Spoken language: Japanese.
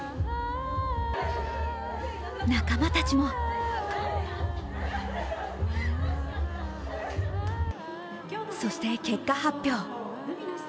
仲間たちもそして結果発表。